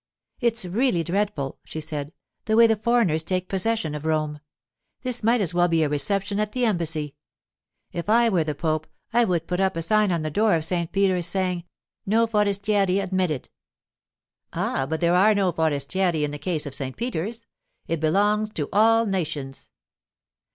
'It's really dreadful,' she said, 'the way the foreigners take possession of Rome. This might as well be a reception at the Embassy. If I were the pope, I would put up a sign on the door of St. Peter's saying, "No forestieri admitted."' 'Ah, but there are no forestieri in the case of St. Peter's; it belongs to all nations.